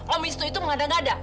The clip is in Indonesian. om istu itu mengada ngada